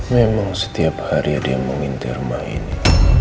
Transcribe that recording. memang setiap hari dia mengintir rumah ini